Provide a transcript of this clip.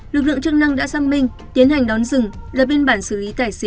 lực lượng chức năng đã xác minh tiến hành đón dừng là bên bản xử lý tài xế